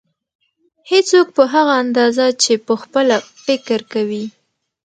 هېڅوک په هغه اندازه چې پخپله فکر کوي.